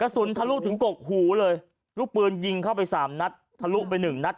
สุนทะลุถึงกกหูเลยลูกปืนยิงเข้าไปสามนัดทะลุไปหนึ่งนัด